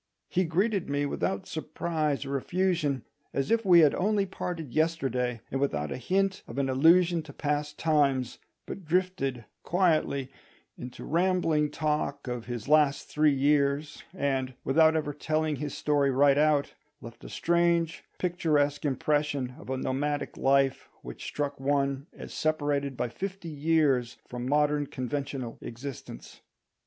He greeted me without surprise or effusion, as if we had only parted yesterday, and without a hint of an allusion to past times, but drifted quietly into rambling talk of his last three years, and, without ever telling his story right out, left a strange picturesque impression of a nomadic life which struck one as separated by fifty years from modern conventional existence.